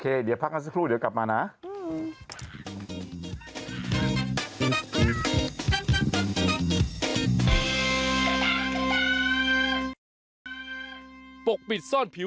คนดู๑๑ล้านริงนี่เหมือนกันแล้วว่ะมาโอเค